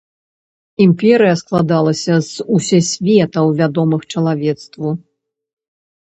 Імперыя складалася з усе светаў, вядомых чалавецтву.